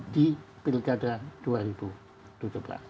di pilkada dua ribu tujuh belas